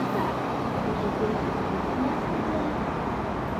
Ирегеҙ юҡмы әллә?